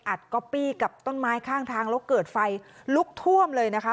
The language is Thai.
ก๊อปปี้กับต้นไม้ข้างทางแล้วเกิดไฟลุกท่วมเลยนะคะ